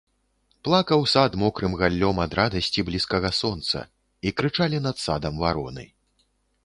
Плакаў сад мокрым галлём ад радасці блізкага сонца, і крычалі над садам вароны.